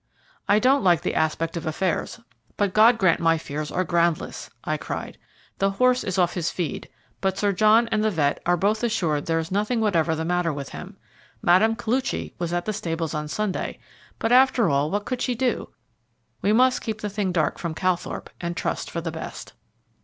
"I don't like the aspect of affairs, but God grant my fears are groundless," I cried. "The horse is off his feed, but Sir John and the vet. are both assured there is nothing whatever the matter with him. Mme. Koluchy was in the stables on Sunday; but, after all, what could she do? We must keep the thing dark from Calthorpe and trust for the best."